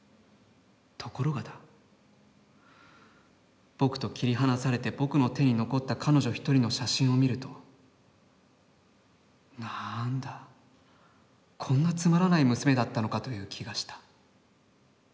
ところがだ、僕と切離されて僕の手に残った彼女一人の写真を見ると、なあんだ、こんなつまらない娘だったのかという気がした。